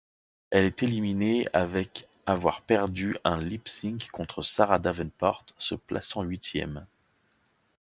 Elle est éliminée avec avoir perdu un lip-sync contre Sahara Davenport, se plaçant huitième.